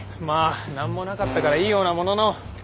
まあ何もなかったからいいようなものの。